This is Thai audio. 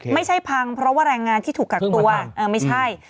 พังเพราะว่าแรงงานที่ถูกกักตัวไม่ใช่